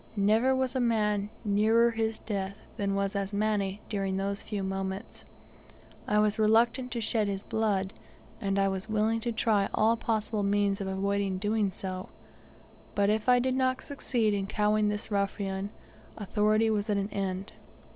Never was a man nearer his death than was Asmani during those few moments. I was reluctant to shed his blood, and I was willing to try all possible means to avoid doing so; but if I did not succeed in cowing this ruffian, authority was at an end.